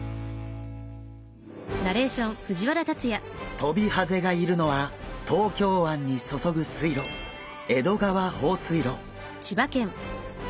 トビハゼがいるのは東京湾に注ぐ水路江戸川放水路。